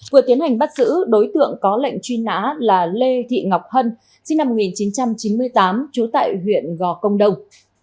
vừa tiến hành bắt giữ đối tượng có lệnh truy nã là lê thị ngọc hân sinh năm một nghìn chín trăm chín mươi tám trú tại huyện gò công đông